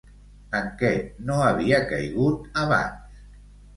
En què no havia caigut abans?